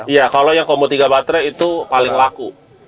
iya kalau yang komo tiga baterai itu paling laku